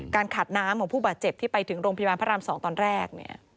ขาดน้ำของผู้บาดเจ็บที่ไปถึงโรงพยาบาลพระราม๒ตอนแรก